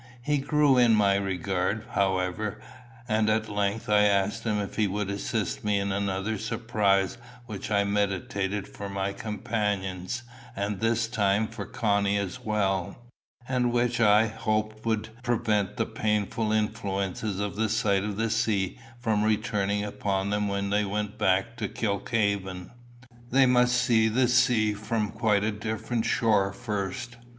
He grew in my regard, however; and at length I asked him if he would assist me in another surprise which I meditated for my companions, and this time for Connie as well, and which I hoped would prevent the painful influences of the sight of the sea from returning upon them when they went back to Kilkhaven: they must see the sea from a quite different shore first.